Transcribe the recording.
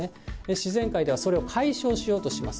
自然界ではそれを解消しようとします。